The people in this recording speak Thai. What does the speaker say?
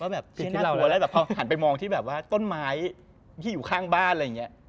ว่าแบบเช่นน่ากลัวแล้วแบบพอหันไปมองที่แบบว่าต้นไม้ที่อยู่ข้างบ้านอะไรอย่างเงี้ย